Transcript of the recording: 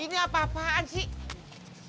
ini apa apaan sih